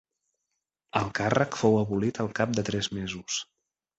El càrrec fou abolit al cap de tres mesos.